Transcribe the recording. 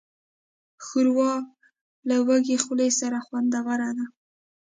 ښوروا له وږې خولې سره خوندوره ده.